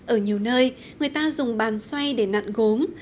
ở nhiều nơi người ta dùng bàn xoay để nặn gốm